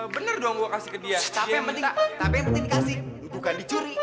bener dong gue kasih ke dia tapi yang penting dikasih bukan dicuri